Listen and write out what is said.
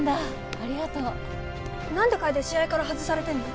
ありがとう何で楓試合から外されてんの？